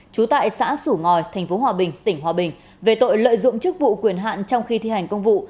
trú tại xã sủ ngòi tp hòa bình tỉnh hòa bình về tội lợi dụng chức vụ quyền hạn trong khi thi hành công vụ